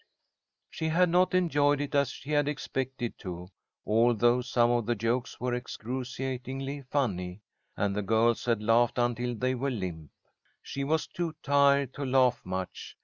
She had not enjoyed it as she had expected to, although some of the jokes were excruciatingly funny, and the girls had laughed until they were limp. She was too tired to laugh much.